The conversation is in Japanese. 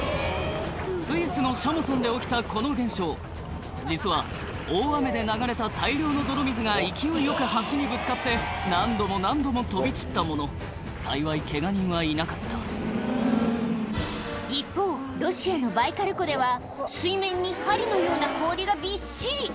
スイスのシャモソンで起きたこの現象実は大雨で流れた大量の泥水が勢いよく橋にぶつかって何度も何度も飛び散ったもの幸いケガ人はいなかった一方ロシアのバイカル湖では水面に針のような氷がびっしり！